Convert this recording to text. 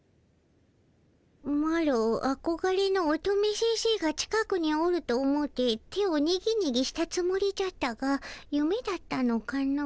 マロあこがれの乙女先生が近くにおると思うて手をニギニギしたつもりじゃったがゆめだったのかの？